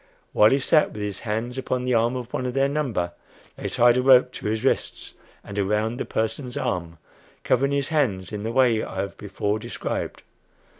While he sat with his hands upon the arm of one of their number, they tied a rope to his wrists, and around the person's arm, covering his hands in the way I have before described.